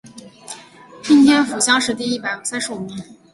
应天府乡试第一百三十五名。